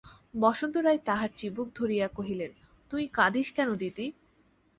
বসন্ত রায় তাহার চিবুক ধরিয়া কহিলেন, তুই কাঁদিস কেন দিদি?